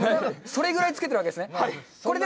それぐらい、つけてるわけですね。